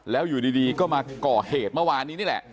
แล้วอยู่ดีก็มาก่อเหตุเมื่อวานนี้นี่แหละ